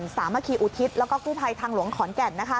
สามัคคีอุทิศแล้วก็กู้ภัยทางหลวงขอนแก่น